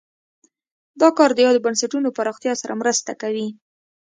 دا کار د یادو بنسټونو پراختیا سره مرسته کوي.